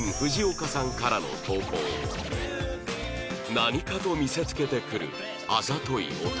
何かと見せつけてくるあざとい男